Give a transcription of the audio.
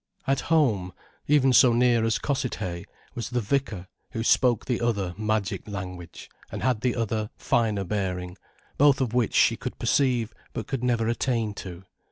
At home, even so near as Cossethay, was the vicar, who spoke the other, magic language, and had the other, finer bearing, both of which she could perceive, but could never attain to.